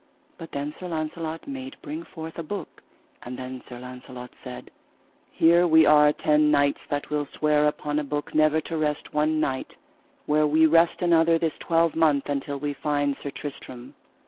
But then Sir Launcelot made bring forth a book: and then Sir Launcelot said: Here we are ten knights that will swear upon a book never to rest one night where we rest another this twelvemonth until that we find Sir Tristram.